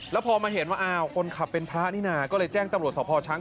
แล้วพอมาเห็นว่าอ้าวคนขับเป็นพระนี่นะก็เลยแจ้งตำรวจสภช้าง